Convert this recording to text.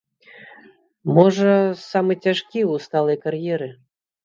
Можа, самы цяжкі ў сталай кар'еры.